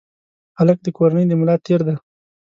هلک د کورنۍ د ملا تیر دی.